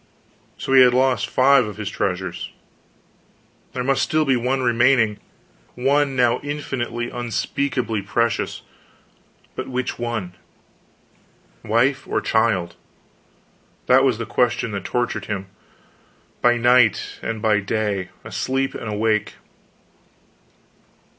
So he had lost five of his treasures; there must still be one remaining one now infinitely, unspeakably precious, but which one? wife, or child? That was the question that tortured him, by night and by day, asleep and awake.